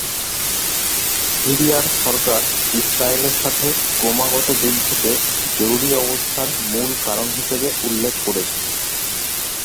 সিরিয়ার সরকার ইসরায়েলের সাথে ক্রমাগত যুদ্ধকে জরুরি অবস্থার মূল কারণ হিসেবে উল্লেখ করেছেন।